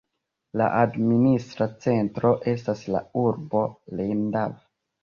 La administra centro estas la urbo Lendava.